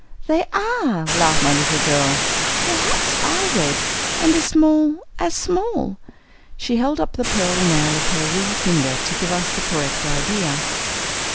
"They are," laughed my little girl. "Their hats are red, and as small as small!" She held up the pearly nail of her wee finger to give us the correct idea.